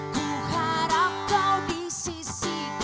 ku harap kau disisi